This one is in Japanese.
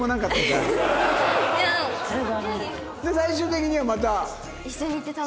最終的にはまた。